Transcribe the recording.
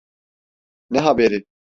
Ne haberi?